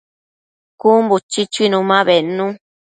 Cun buchi chuinu ma bednu